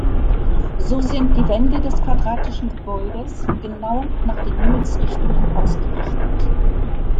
So sind die Wände des quadratischen Gebäudes genau nach den Himmelsrichtungen ausgerichtet.